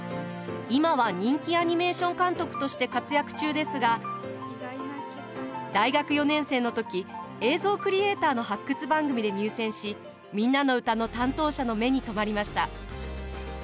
今は人気アニメーション監督として活躍中ですが大学４年生の時映像クリエイターの発掘番組で入選し「みんなのうた」の担当者の目に留まりました。